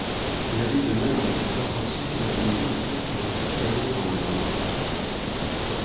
L'abbé demeure avec ses paroissiens dans une ville fantôme cernée par la Wehrmacht.